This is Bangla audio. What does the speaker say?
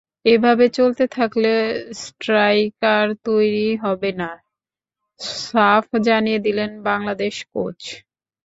এভাবে চলতে থাকলে স্ট্রাইকার তৈরি হবে না, সাফ জানিয়ে দিলেন বাংলাদেশ কোচ।